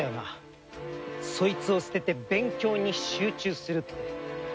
そいつを捨てて勉強に集中するって。